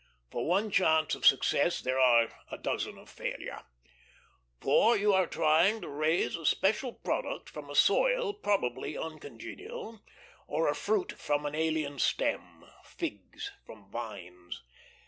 For one chance of success there are a dozen of failure; for you are trying to raise a special product from a soil probably uncongenial, or a fruit from an alien stem figs from vines.